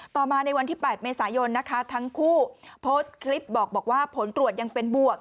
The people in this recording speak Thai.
ต่อมาในวันที่๘เมษายนนะคะทั้งคู่โพสต์คลิปบอกว่าผลตรวจยังเป็นบวก